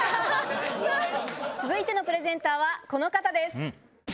続いてのプレゼンターはこの方です。